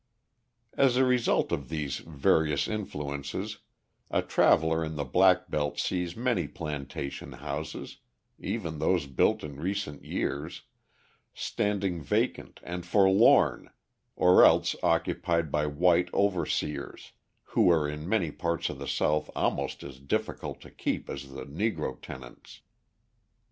As a result of these various influences a traveller in the black belt sees many plantation houses, even those built in recent years, standing vacant and forlorn or else occupied by white overseers, who are in many parts of the South almost as difficult to keep as the Negro tenants.